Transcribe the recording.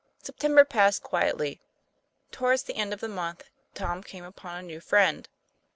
September passed quietly. Towards the end of the month Tom came upon a new friend.